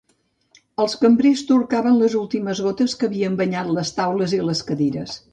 Els cambrers torcaven les últimes gotes que havien banyat les taules i les cadires.